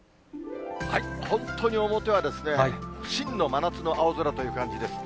本当に表は真の真夏の青空という感じです。